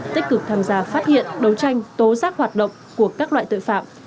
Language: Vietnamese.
tích cực tham gia phát hiện đấu tranh tố giác hoạt động của các loại tội phạm